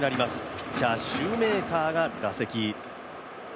ピッチャー、シューメーカーが打席